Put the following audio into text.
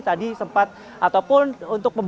tadi sempat ataupun untuk